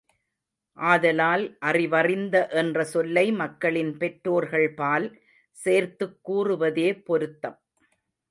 ஆதலால் அறிவறிந்த என்ற சொல்லை மக்களின் பெற்றோர்கள்பால் சேர்த்துக் கூறுவதே பொருத்தம்.